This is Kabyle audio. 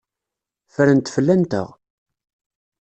Ffrent fell-anteɣ.